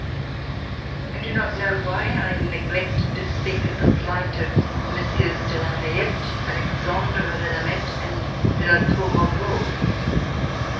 I do not know why I neglected to speak of the flight of Messieurs de La Fayette, Alexandre de Lameth and de La Tour Maubourg.